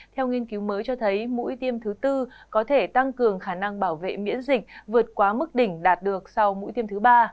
theo nghiên cứu mới cho thấy mũi tiêm thứ tư có thể tăng cường khả năng bảo vệ miễn dịch vượt quá mức đỉnh đạt được sau mũi tiêm thứ ba